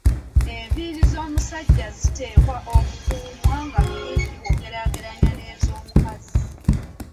Enviiri z’omusajja ziteekwa okukuumwa nga nnyimpi bw’ogerageranya n’ezomukazi.